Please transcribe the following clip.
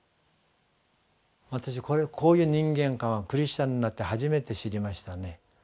私こういう人間観はクリスチャンになって初めて知りましたね。